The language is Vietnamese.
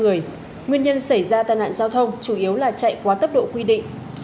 nguyên nhân xảy ra tai nạn giao thông chủ yếu là chạy quá tốc độ quy định